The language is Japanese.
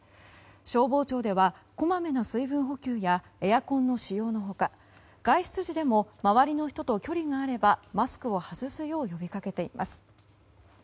消防庁では、こまめな水分補給やエアコンの使用の他外出時でも周りの人と距離があればマスクを外すよう呼びかけています。